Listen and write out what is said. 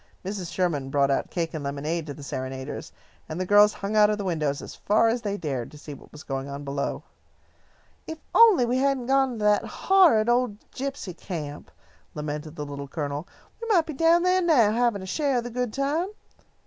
Mrs. Sherman brought out cake and lemonade to the serenaders, and the girls hung out of the windows as far as they dared, to see what was going on below. "If we only hadn't gone to that horrid old gypsy camp," lamented the Little Colonel, "we might be down there now, having a share of the good time.